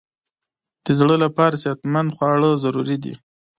د زړه لپاره صحتمند خواړه ضروري دي.